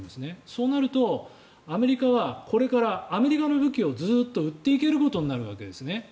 そうなると、アメリカはこれからアメリカの武器をずっと売っていけることになるわけですね。